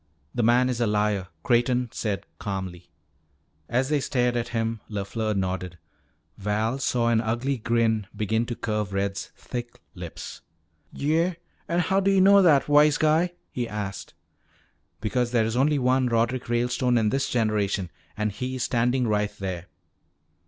"The man is a liar," Creighton said calmly. As they stared at him, LeFleur nodded. Val saw an ugly grin begin to curve Red's thick lips. "Yeah? An how do yuh know that, wise guy?" he asked. "Because there is only one Roderick Ralestone in this generation and he is standing right there.